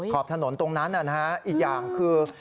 ขอบถนนตรงนั้นอีกอย่างคือ